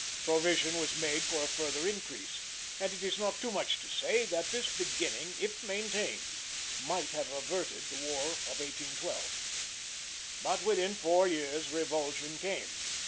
Provision was made for a further increase; and it is not too much to say that this beginning, if maintained, might have averted the War of 1812. But within four years revulsion came.